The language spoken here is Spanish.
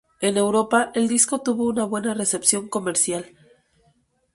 En Europa, el disco tuvo una buena recepción comercial.